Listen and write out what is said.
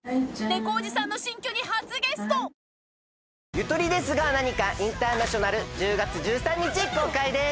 『ゆとりですがなにかインターナショナル』１０月１３日公開です。